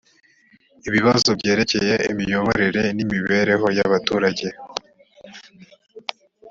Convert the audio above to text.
ibibazo byerekeye imiyoborere n’imibereho y’abaturage